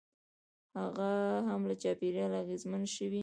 هغه هم له چاپېریال اغېزمن شوی.